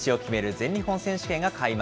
全日本選手権が開幕。